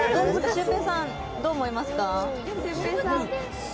シュウペイさんどう思いますか？